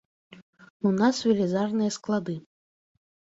У нас велізарныя склады.